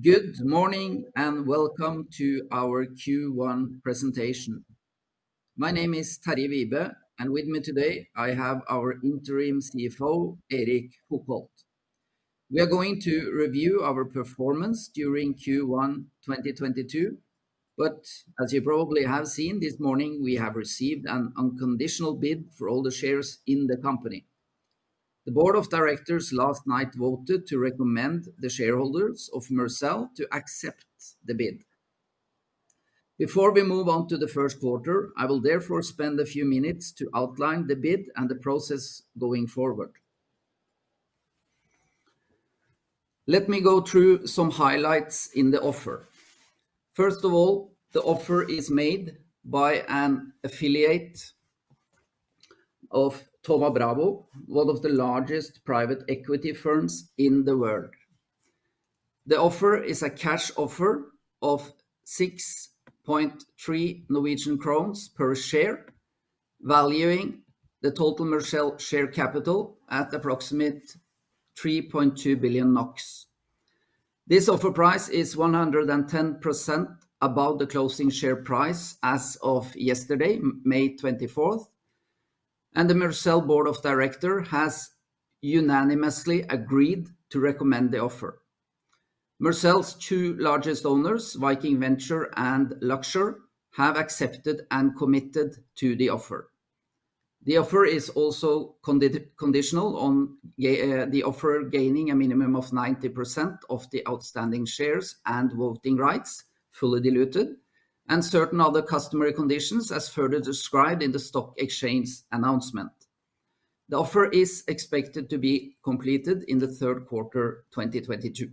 Good morning and welcome to our Q1 presentation. My name is Terje Wibe, and with me today I have our interim CFO, Erik Hokholt. We are going to review our performance during Q1 2022. As you probably have seen this morning, we have received an unconditional bid for all the shares in the company. The board of directors last night voted to recommend the shareholders of Mercell to accept the bid. Before we move on to the Q1, I will therefore spend a few minutes to outline the bid and the process going forward. Let me go through some highlights in the offer. First of all, the offer is made by an affiliate of Thoma Bravo, one of the largest private equity firms in the world. The offer is a cash offer of 6.3 Norwegian kroner per share, valuing the total Mercell share capital at approximately 3.2 billion NOK. This offer price is 110% above the closing share price as of yesterday, May 24th, and the Mercell board of director has unanimously agreed to recommend the offer. Mercell's two largest owners, Viking Venture and Luxor, have accepted and committed to the offer. The offer is also conditional on the offer gaining a minimum of 90% of the outstanding shares and voting rights, fully diluted, and certain other customary conditions, as further described in the stock exchange announcement. The offer is expected to be completed in the Q3, 2022.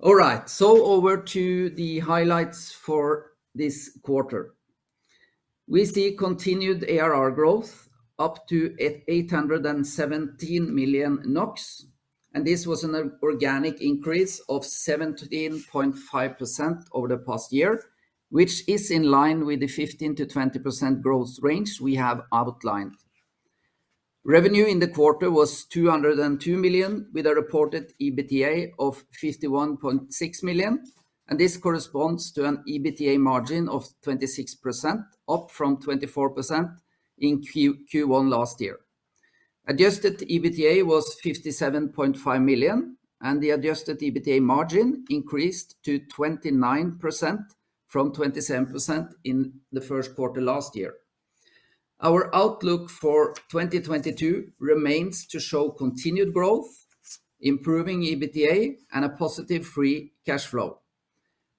All right. Over to the highlights for this quarter. We see continued ARR growth up to 817 million NOK, and this was an organic increase of 17.5% over the past year, which is in line with the 15%-20% growth range we have outlined. Revenue in the quarter was 202 million, with a reported EBITDA of 51.6 million, and this corresponds to an EBITDA margin of 26%, up from 24% in Q1 last year. Adjusted EBITDA was 57.5 million, and the adjusted EBITDA margin increased to 29% from 27% in the Q1 last year. Our outlook for 2022 remains to show continued growth, improving EBITDA and a positive free cash flow.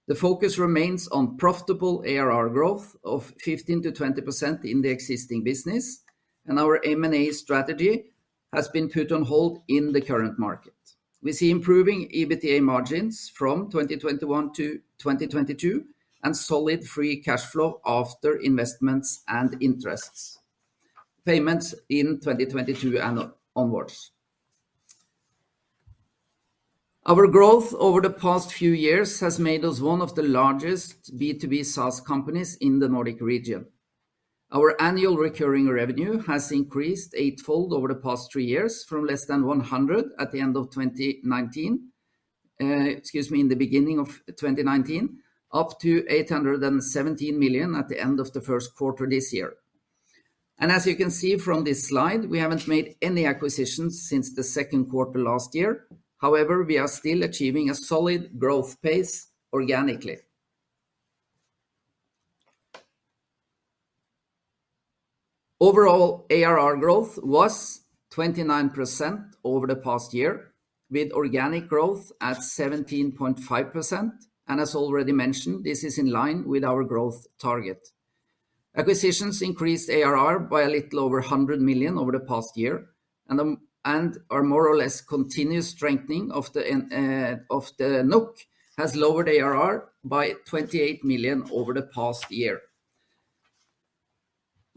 The focus remains on profitable ARR growth of 15%-20% in the existing business, and our M&A strategy has been put on hold in the current market. We see improving EBITDA margins from 2021 to 2022 and solid free cash flow after investments and interest payments in 2022 and onwards. Our growth over the past few years has made us one of the largest B2B SaaS companies in the Nordic region. Our annual recurring revenue has increased eightfold over the past three years from less than 100 million in the beginning of 2019, up to 817 million at the end of the Q1 this year. As you can see from this slide, we haven't made any acquisitions since the second quarter last year. However, we are still achieving a solid growth pace organically. Overall, ARR growth was 29% over the past year, with organic growth at 17.5%. As already mentioned, this is in line with our growth target. Acquisitions increased ARR by a little over 100 million over the past year and our more or less continuous strengthening of the NOK has lowered ARR by 28 million over the past year.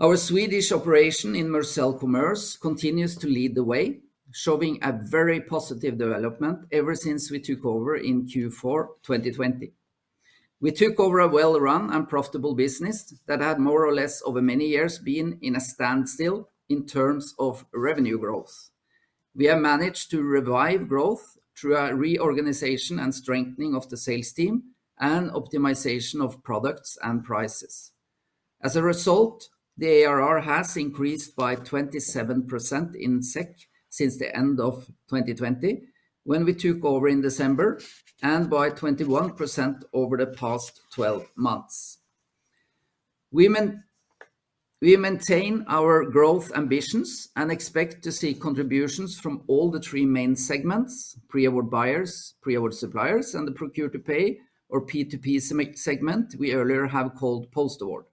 Our Swedish operation in Mercell Commerce continues to lead the way, showing a very positive development ever since we took over in Q4 2020. We took over a well-run and profitable business that had more or less over many years been in a standstill in terms of revenue growth. We have managed to revive growth through a reorganization and strengthening of the sales team and optimization of products and prices. As a result, the ARR has increased by 27% in SEK since the end of 2020, when we took over in December, and by 21% over the past 12 months. We maintain our growth ambitions and expect to see contributions from all the three main segments, pre-award buyers, pre-award suppliers, and the procure to pay or P2P segment we earlier have called post-award.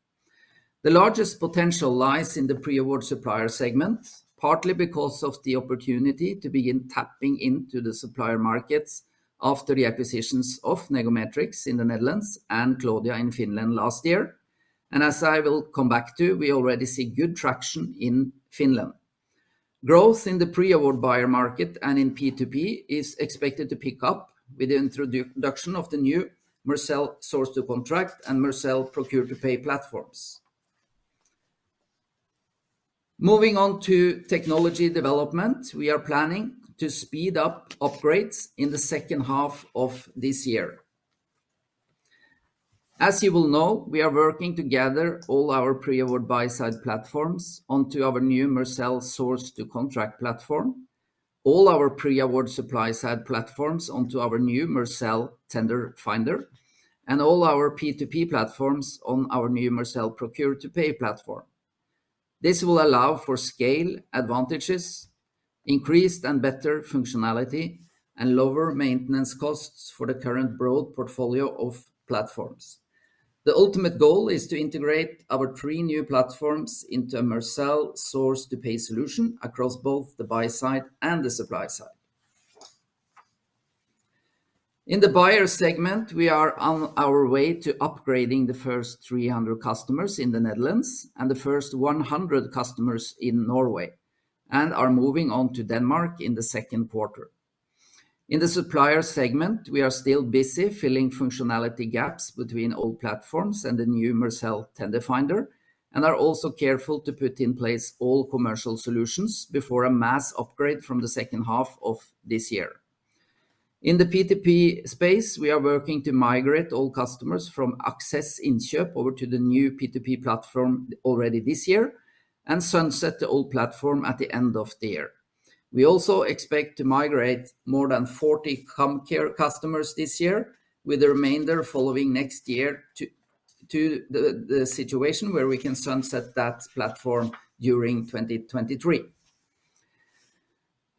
The largest potential lies in the pre-award supplier segment, partly because of the opportunity to begin tapping into the supplier markets after the acquisitions of Negometrix in the Netherlands and Cloudia in Finland last year. As I will come back to, we already see good traction in Finland. Growth in the pre-award buyer market and in P2P is expected to pick up with the introduction of the new Mercell Source-to-Contract and Mercell Procure-to-Pay platforms. Moving on to technology development, we are planning to speed up upgrades in the second half of this year. As you will know, we are working to gather all our pre-award buy-side platforms onto our new Mercell Source-to-Contract platform, all our pre-award supply-side platforms onto our new Mercell Tender Discovery, and all our P2P platforms on our new Mercell Procure-to-Pay platform. This will allow for scale advantages, increased and better functionality, and lower maintenance costs for the current broad portfolio of platforms. The ultimate goal is to integrate our three new platforms into a Mercell Source-to-Pay solution across both the buy-side and the supply-side. In the buyer segment, we are on our way to upgrading the first 300 customers in the Netherlands and the first 100 customers in Norway and are moving on to Denmark in the Q2. In the supplier segment, we are still busy filling functionality gaps between old platforms and the new Mercell Tender Discovery and are also careful to put in place all commercial solutions before a mass upgrade from the second half of this year. In the P2P space, we are working to migrate all customers from Aksess Innkjøp over to the new P2P platform already this year and sunset the old platform at the end of the year. We also expect to migrate more than 40 Comcare customers this year, with the remainder following next year to the situation where we can sunset that platform during 2023.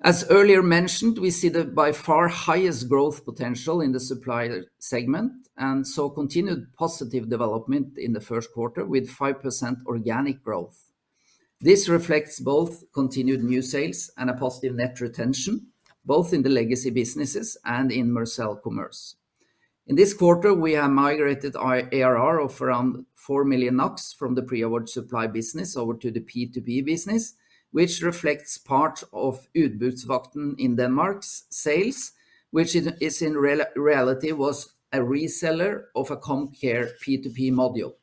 As earlier mentioned, we see the by far highest growth potential in the supplier segment, and so continued positive development in the Q1 with 5% organic growth. This reflects both continued new sales and a positive net retention, both in the legacy businesses and in Mercell Commerce. In this quarter, we have migrated our ARR of around 4 million from the pre-award supply business over to the P2P business, which reflects part of Udbudsvagten in Denmark's sales, which is in reality was a reseller of a Comcare P2P module.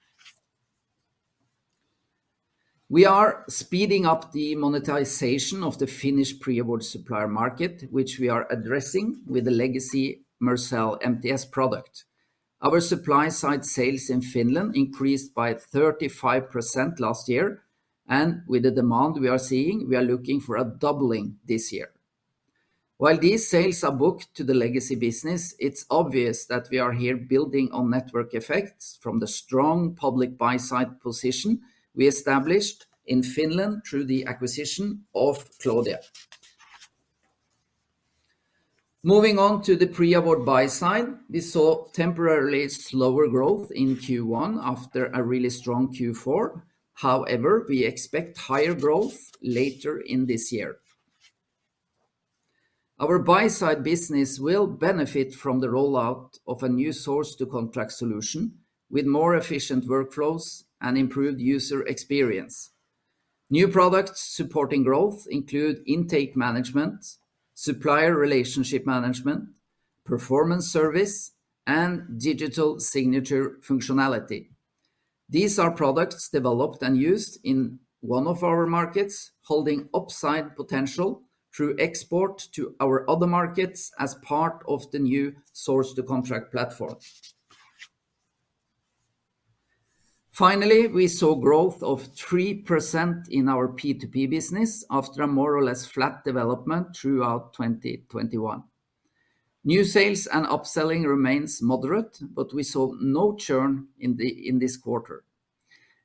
We are speeding up the monetization of the Finnish pre-award supplier market, which we are addressing with the legacy Mercell MTS product. Our supply-side sales in Finland increased by 35% last year, and with the demand we are seeing, we are looking for a doubling this year. While these sales are booked to the legacy business, it's obvious that we are here building on network effects from the strong public buy-side position we established in Finland through the acquisition of Cloudia. Moving on to the Pre-Award buy side, we saw temporarily slower growth in Q1 after a really strong Q4. However, we expect higher growth later in this year. Our buy-side business will benefit from the rollout of a new Source-to-Contract solution with more efficient workflows and improved user experience. New products supporting growth include Intake Management, Supplier Relationship Management, performance services, and Digital Signature functionality. These are products developed and used in one of our markets, holding upside potential through export to our other markets as part of the new Source-to-Contract platform. Finally, we saw growth of 3% in our P2P business after a more or less flat development throughout 2021. New sales and upselling remains moderate, but we saw no churn in this quarter.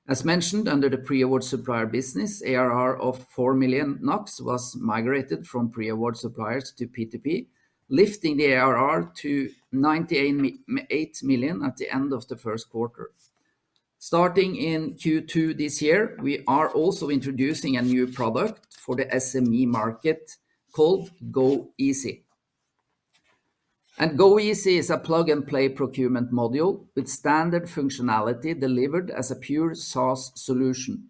As mentioned under the pre-award supplier business, ARR of 4 million NOK was migrated from pre-award suppliers to P2P, lifting the ARR to 98 million at the end of the Q1. Starting in Q2 this year, we are also introducing a new product for the SME market called GoEasy. GoEasy is a plug-and-play procurement module with standard functionality delivered as a pure SaaS solution.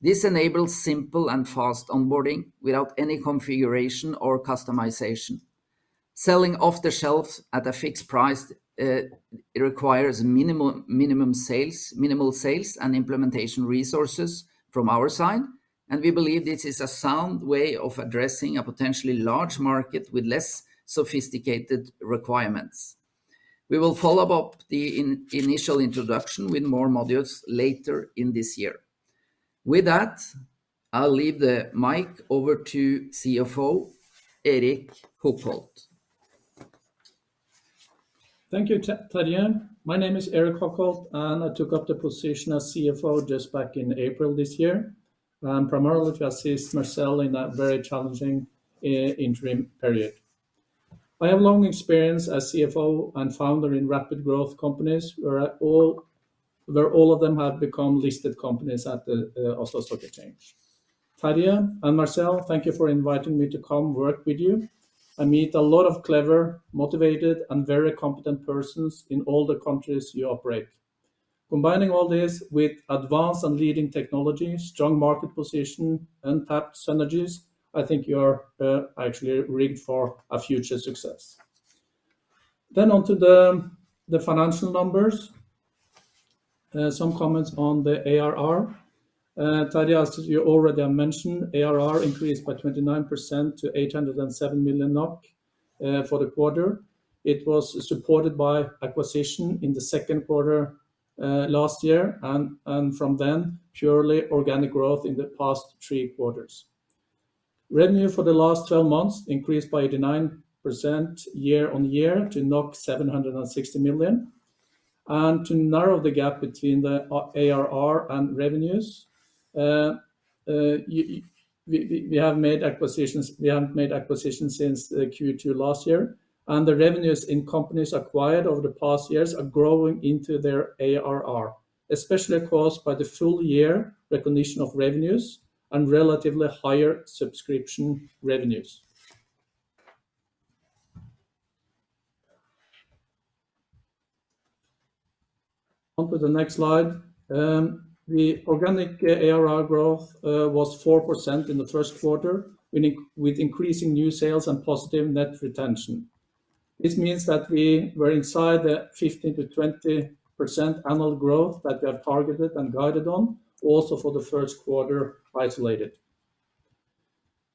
This enables simple and fast onboarding without any configuration or customization. Selling off the shelves at a fixed price requires minimal sales and implementation resources from our side, and we believe this is a sound way of addressing a potentially large market with less sophisticated requirements. We will follow up the initial introduction with more modules later in this year. With that, I'll leave the mic over to CFO Erik Hokholt. Thank you, Terje. My name is Erik Hokholt, and I took up the position as CFO just back in April this year, primarily to assist Mercell in that very challenging interim period. I have long experience as CFO and founder in rapid growth companies, where all of them have become listed companies at the Oslo Stock Exchange. Terje and Mercell, thank you for inviting me to come work with you. I meet a lot of clever, motivated, and very competent persons in all the countries you operate. Combining all this with advanced and leading technology, strong market position, untapped synergies, I think you are actually rigged for a future success. On to the financial numbers. Some comments on the ARR. Terje, as you already have mentioned, ARR increased by 29% to 807 million NOK for the quarter. It was supported by acquisition in the Q2 last year and from then purely organic growth in the past three quarters. Revenue for the last 12 months increased by 89% year-on-year to 760 million. To narrow the gap between the ARR and revenues, we have made acquisitions. We haven't made acquisitions since Q2 last year. The revenues in companies acquired over the past years are growing into their ARR, especially caused by the full year recognition of revenues and relatively higher subscription revenues. On to the next slide. The organic ARR growth was 4% in the Q1 with increasing new sales and positive net retention. This means that we were inside the 15%-20% annual growth that we have targeted and guided on, also for the Q1 isolated.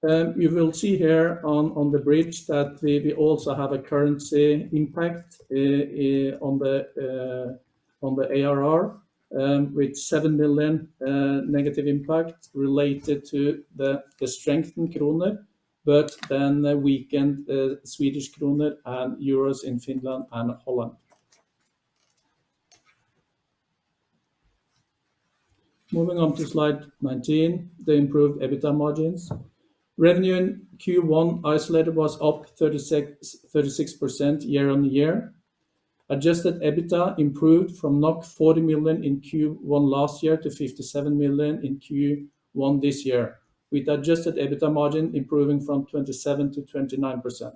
You will see here on the bridge that we also have a currency impact on the ARR with 7 million negative impact related to the strengthened kroner, but then the weakened Swedish kroner and euros in Finland and Holland. Moving on to slide 19, the improved EBITDA margins. Revenue in Q1 isolated was up 36% year-on-year. Adjusted EBITDA improved from 40 million in Q1 last year to 57 million in Q1 this year, with adjusted EBITDA margin improving from 27%-29%.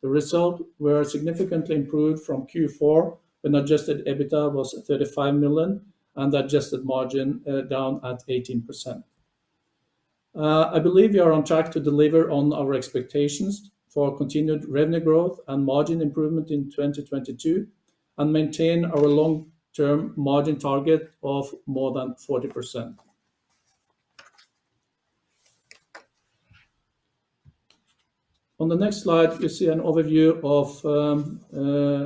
The result were significantly improved from Q4, when adjusted EBITDA was 35 million and adjusted margin down at 18%. I believe we are on track to deliver on our expectations for continued revenue growth and margin improvement in 2022 and maintain our long-term margin target of more than 40%. On the next slide, you see an overview of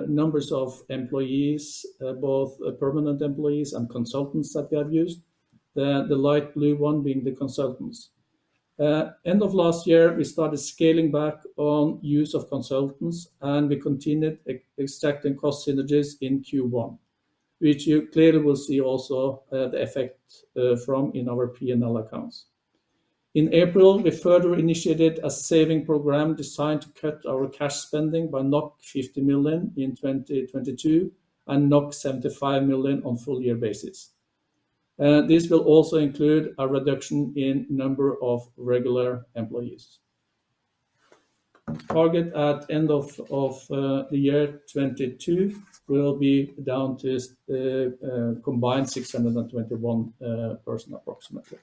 numbers of employees, both permanent employees and consultants that we have used. The light blue one being the consultants. End of last year, we started scaling back on use of consultants, and we continued extracting cost synergies in Q1, which you clearly will see also, the effect from in our P&L accounts. In April, we further initiated a saving program designed to cut our cash spending by 50 million in 2022 and 75 million on full year basis. This will also include a reduction in number of regular employees. Target at end of the year 2022 will be down to combined 621 person approximately.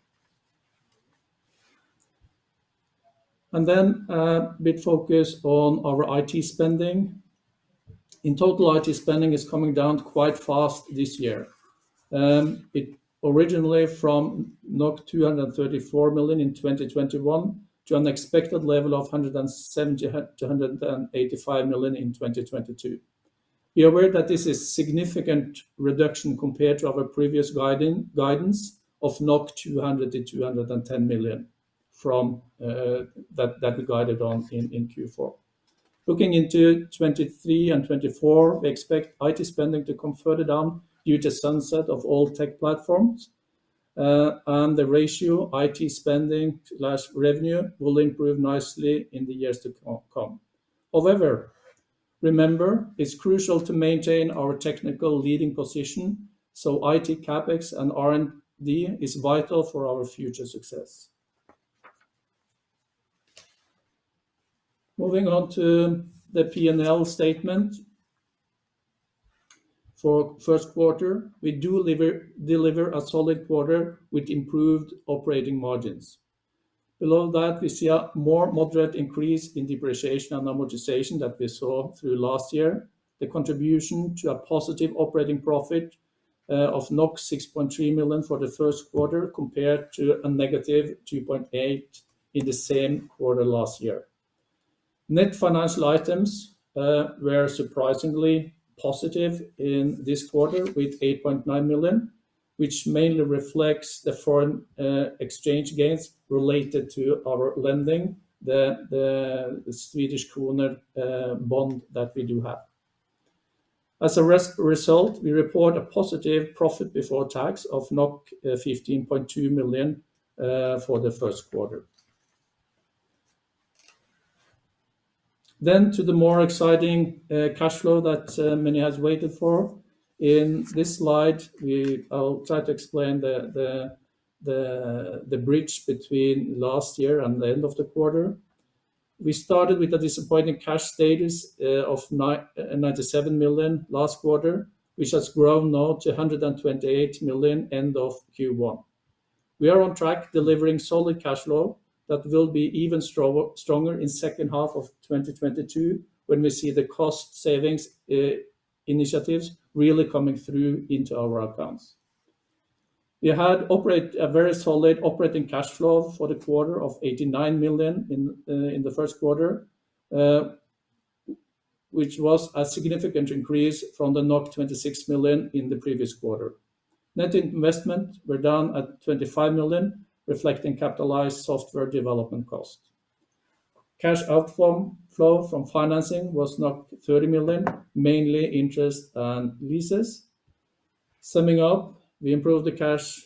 Bit focus on our IT spending. In total, IT spending is coming down quite fast this year. It originally from 234 million in 2021 to an expected level of 170-185 million in 2022. Be aware that this is significant reduction compared to our previous guidance of 200-210 million from that we guided on in Q4. Looking into 2023 and 2024, we expect IT spending to come further down due to sunset of all tech platforms. The ratio IT spending/revenue will improve nicely in the years to come. However, remember, it's crucial to maintain our technical leading position, so IT CapEx and R&D is vital for our future success. Moving on to the P&L statement. For Q1, we deliver a solid quarter with improved operating margins. Below that, we see a more moderate increase in depreciation and amortization than we saw through last year. The contribution to a positive operating profit of 6.3 million for the Q1 compared to a negative 2.8 million in the same quarter last year. Net financial items were surprisingly positive in this quarter with 8.9 million, which mainly reflects the foreign exchange gains related to our lending, the Swedish kroner bond that we do have. As a result, we report a positive profit before tax of 15.2 million for the Q1. To the more exciting cash flow that many has waited for. In this slide, I'll try to explain the bridge between last year and the end of the quarter. We started with a disappointing cash status of 97 million last quarter, which has grown now to 128 million end of Q1. We are on track delivering solid cash flow that will be even stronger in second half of 2022 when we see the cost savings initiatives really coming through into our accounts. We had a very solid operating cash flow for the quarter of 89 million in the Q1, which was a significant increase from the 26 million in the previous quarter. Net investments were down at 25 million, reflecting capitalized software development costs. Cash outflow from financing was 30 million, mainly interest and leases. Summing up, we improved the cash,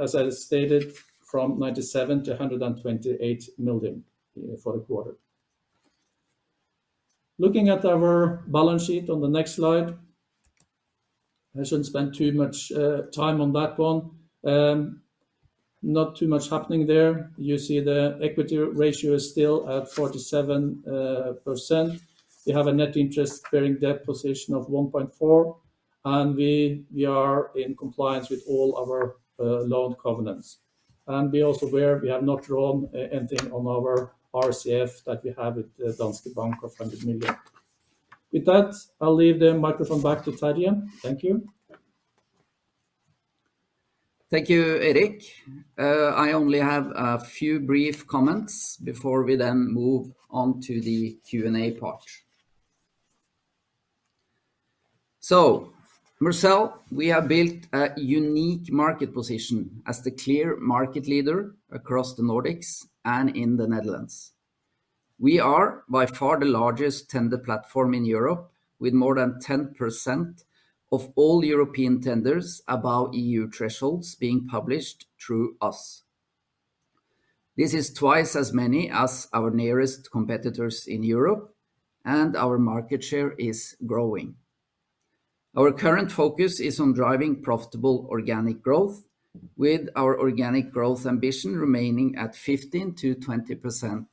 as I stated, from 97 million to 128 million, for the quarter. Looking at our balance sheet on the next slide, I shouldn't spend too much time on that one. Not too much happening there. You see the equity ratio is still at 47%. We have a net interest-bearing debt position of 1.4, and we are in compliance with all our loan covenants. Also be aware we have not drawn anything on our RCF that we have with Danske Bank of 100 million. With that, I'll leave the microphone back to Terje. Thank you. Thank you, Erik. I only have a few brief comments before we then move on to the Q&A part. Mercell, we have built a unique market position as the clear market leader across the Nordics and in the Netherlands. We are by far the largest tender platform in Europe, with more than 10% of all European tenders above EU thresholds being published through us. This is twice as many as our nearest competitors in Europe, and our market share is growing. Our current focus is on driving profitable organic growth, with our organic growth ambition remaining at 15%-20%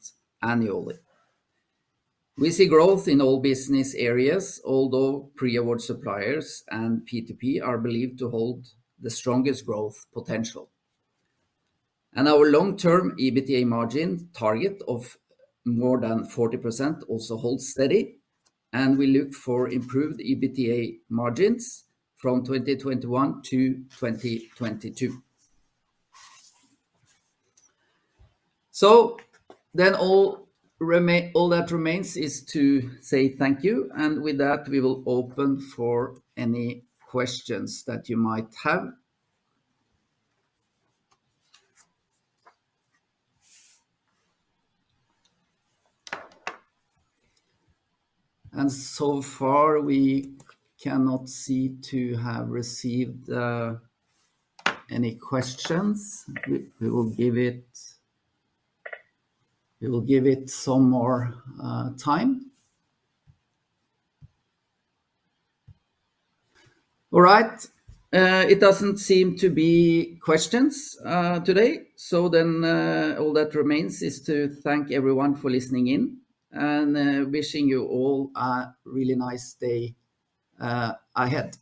annually. We see growth in all business areas, although pre-award suppliers and P2P are believed to hold the strongest growth potential. Our long-term EBITDA margin target of more than 40% also holds steady, and we look for improved EBITDA margins from 2021 to 2022. All that remains is to say thank you. With that, we will open for any questions that you might have. So far, we cannot seem to have received any questions. We will give it some more time. All right, it doesn't seem to be questions today. All that remains is to thank everyone for listening in and wishing you all a really nice day ahead.